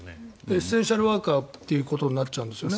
エッセンシャルワーカーということになるわけですよね。